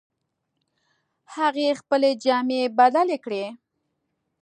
هغې خپلې جامې بدلې کړې